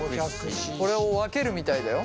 これを分けるみたいだよ。